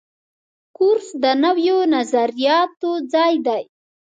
کورس د نویو نظریاتو ځای دی.